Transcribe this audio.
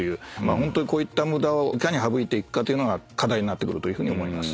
ホントにこういった無駄をいかに省いていくかというのが課題になってくると思います。